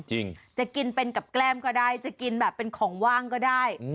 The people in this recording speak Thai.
จริงจะกินเป็นกับแกล้มก็ได้จะกินแบบเป็นของว่างก็ได้